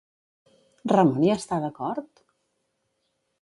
Ramon hi està d'acord?